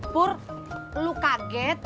pur lu kaget